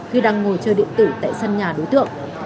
khi đang ngồi chơi điện tử tại sân nhà đối tượng